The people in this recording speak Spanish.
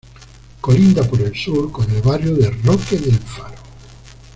Colinda por el Sur con el barrio de Roque del Faro.